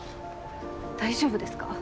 大丈夫ですか？